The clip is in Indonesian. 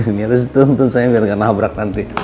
ini harus dituntun sama dia biar gak nabrak nanti